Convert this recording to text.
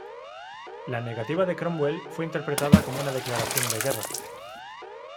La negativa de Cromwell fue interpretada como una declaración de guerra.